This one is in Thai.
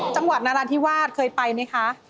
จังหวัดนราธิวาสเคยไปไหมคะ